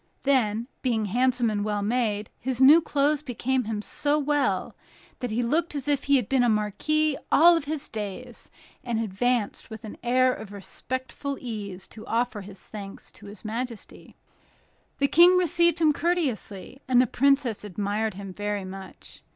Then, being handsome and well made, his new clothes became him so well, that he looked as if he had been a marquis all his days, and advanced with an air of respectful ease to offer his thanks to his majesty. The King received him courteously, and the princess admired him very much.